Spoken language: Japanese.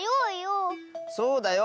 そうだよ！